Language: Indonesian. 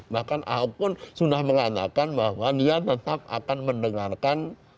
bahkan ahok pun sudah mengatakan bahwa dia tetap akan mendengarkan